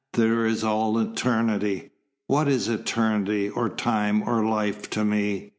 There is all eternity. What is eternity, or time, or life to me?